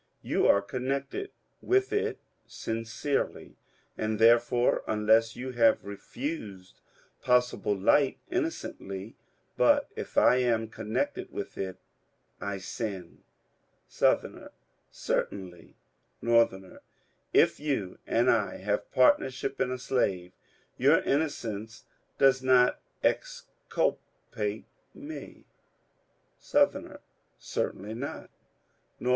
You are connected with it sincerely, and, there fore, unless you have refused possible light, innocently ; but if I am connected with it, I sin. Sou. — Certainly. Nor. — If you and I have partnership in a slave, your innocence does not exculpate me. Sou. — Certainly not. Nor.